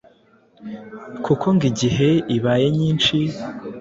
kuko ngo igihe ibaye nyinshi